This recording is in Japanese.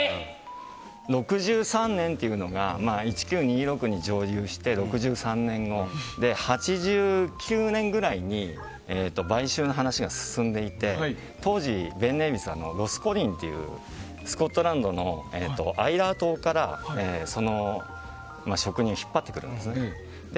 ６３年というのが１９２６に蒸留して６３年後、８９年ぐらいに買収の話が進んでいて当時スコットランドのアイラー島から職人を引っ張ってくるんですね。